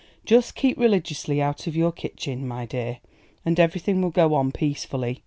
"Just keep religiously out of your kitchen, my dear, and everything will go on peacefully.